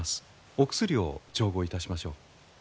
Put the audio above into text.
お薬を調合いたしましょう。